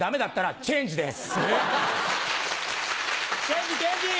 チェンジ、チェンジ。